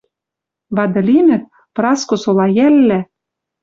Вады лимӹк, Праско, солайӓллӓ